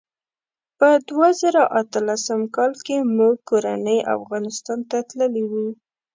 په دوه زره اتلسم کال کې موږ کورنۍ افغانستان ته تللي وو.